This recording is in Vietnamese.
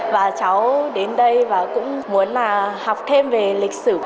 và cháu đến đây và cũng muốn là học thêm về lịch sử